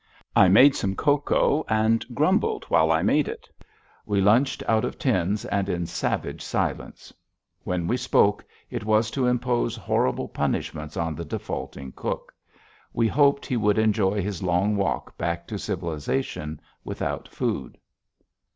I made some cocoa and grumbled while I made it. We lunched out of tins and in savage silence. When we spoke, it was to impose horrible punishments on the defaulting cook. We hoped he would enjoy his long walk back to civilization without food.